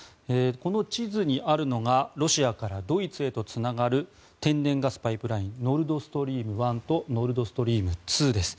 この地図にあるのがロシアからドイツへとつながる天然ガスパイプラインノルド・ストリーム１とノルド・ストリーム２です。